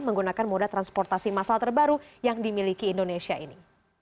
menggunakan moda transportasi masal terbaru yang dimiliki indonesia ini